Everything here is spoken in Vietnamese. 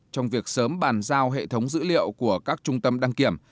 trong việc sớm bàn giao hệ thống dữ liệu của các trung tâm đăng kiểm